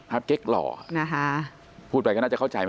ภาพเก๊กหล่อพูดไปก็น่าจะเข้าใจ